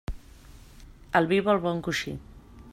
El vi vol bon coixí.